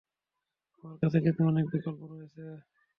আমার কাছে কিন্তু অনেক বিকল্প রয়েছে।